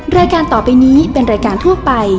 รายการต่อไปนี้เป็นรายการทั่วไป